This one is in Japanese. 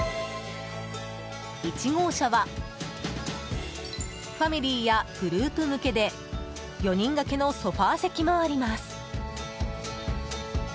１号車はファミリーやグループ向けで４人掛けのソファ席もあります。